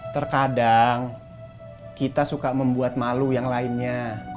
terkadang kita suka membuat malu yang lainnya